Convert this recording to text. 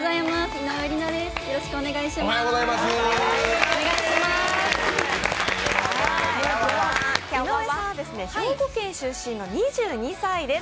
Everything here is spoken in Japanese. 井上さんは兵庫県出身の２２歳です。